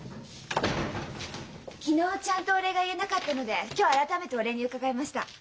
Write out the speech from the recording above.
昨日ちゃんとお礼が言えなかったので今日改めてお礼に伺いました。